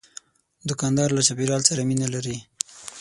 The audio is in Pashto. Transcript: دوکاندار له چاپیریال سره مینه لري.